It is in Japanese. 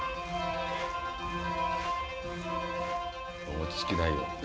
落ち着きないよ。